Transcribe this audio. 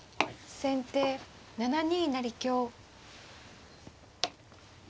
先手７二成香。